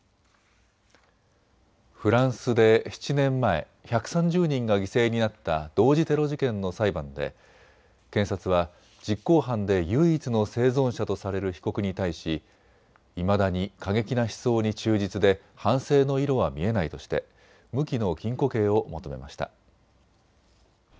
フランスで７年前、１３０人が犠牲になった同時テロ事件の裁判で検察は実行犯で唯一の生存者とされる被告に対しいまだに過激な思想に忠実で反省の色は見えないとして無期の禁錮刑を求めました。